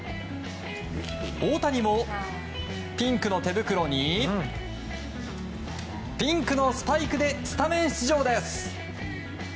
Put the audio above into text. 大谷もピンクの手袋にピンクのスパイクでスタメン出場です。